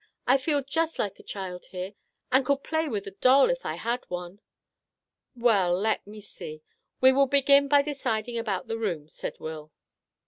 I feel just like a child here, and could play with a doll if I had one !"" Well, — let me see ; we will begin by de ciding about the rooms," said Will.